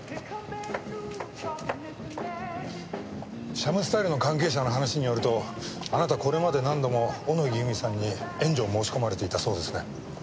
シャムスタイルの関係者の話によるとあなたこれまで何度も小野木由美さんに援助を申し込まれていたそうですね。